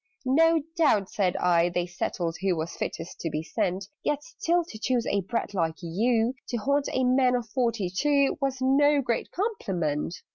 "No doubt," said I, "they settled who Was fittest to be sent: Yet still to choose a brat like you, To haunt a man of forty two, Was no great compliment!"